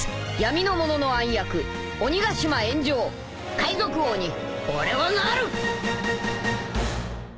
海賊王に俺はなる！